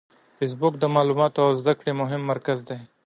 فېسبوک د معلوماتو او زده کړې مهم مرکز دی